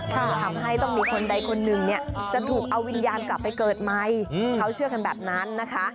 ทำให้ต้องมีคนใดคนหนึ่งเนี่ยจะถูกเอาวิญญาณกลับไปเกิดใหม่เขาเชื่อกันแบบนั้นนะคะ